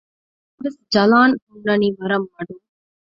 ނަމަވެސް ޖަލާން ހުންނަނީ ވަރަށް މަޑުން